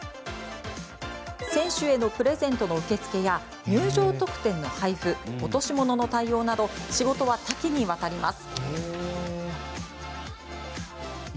選手へのプレゼントの受け付けや入場特典の配布落とし物の対応など仕事は多岐にわたります。